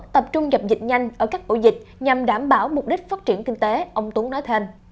tập trung dập dịch nhanh ở các ổ dịch nhằm đảm bảo mục đích phát triển kinh tế ông tuấn nói thêm